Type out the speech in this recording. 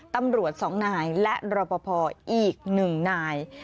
ตำรวจ๒นายและรอปภอีก๑นาย